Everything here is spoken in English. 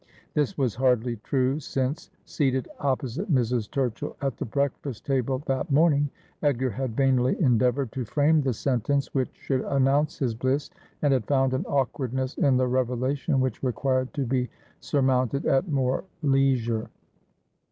This was hardly true, since, seated opposite Mrs. Turchill at the breakfast table that morning, Edgar had vainly endea voured to frame the sentence which should announce his bliss, and had found an awkwardness in the revelation which required to be surmounted at more leisure.